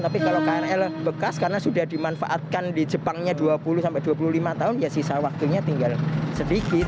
tapi kalau krl bekas karena sudah dimanfaatkan di jepangnya dua puluh sampai dua puluh lima tahun ya sisa waktunya tinggal sedikit